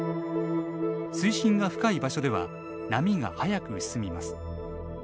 水深が深い場所では波が早く進みます。